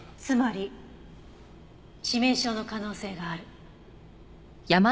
つまり致命傷の可能性がある。